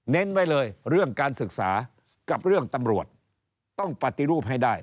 ไว้เลยเรื่องการศึกษากับเรื่องตำรวจต้องปฏิรูปให้ได้